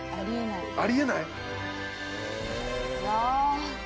あり得ない。